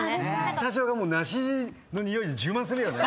スタジオがもう梨の匂いで充満するよね。